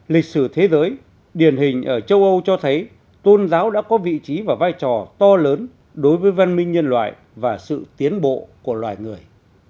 lịch sử thế giới điển hình ở châu âu cho thấy tôn giáo đã có vị trí và vai trò to lớn đối với văn minh nhân loại và sự tiến bộ của loài người